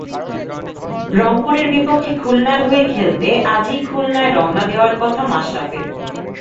রংপুরের বিপক্ষে খুলনার হয়ে খেলতে আজই খুলনায় রওনা দেওয়ার কথা মাশরাফির।